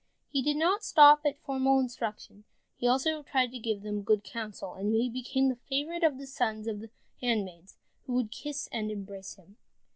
He did not stop at formal instruction, he also tried to give them good counsel, and he became the favorite of the sons of the handmaids, who would kiss and embrace him.